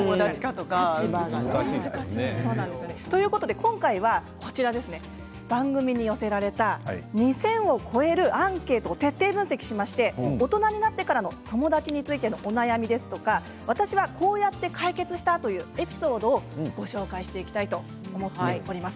今回は番組に寄せられた２０００を超えるアンケートを徹底分析しまして大人になってからの友達についてのお悩みや私は、こうやって解決したというエピソードをご紹介していきたいと思っております。